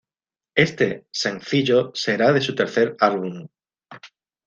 Este sencillo será de su tercer álbum.